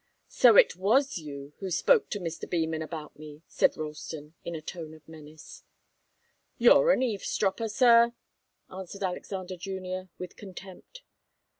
"So it was you who spoke to Mr. Beman about me," said Ralston, in a tone of menace. "You're an eavesdropper, sir," answered Alexander Junior, with contempt.